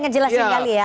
ngejelasin kali ya